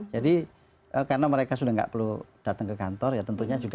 jadi karena mereka sudah nggak perlu datang ke kantor ya tentunya juga